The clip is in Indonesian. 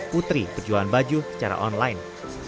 putri berjualan baju secara online